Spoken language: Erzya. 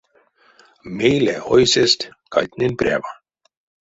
Мейле ойсесть кальтнень прява.